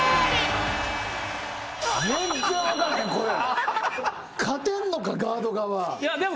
全然分かれへんこれ。